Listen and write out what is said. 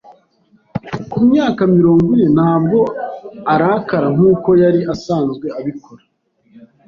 Ku myaka mirongo ine, ntabwo arakara nkuko yari asanzwe abikora.